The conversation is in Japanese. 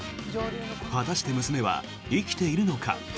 果たして娘は生きているのか？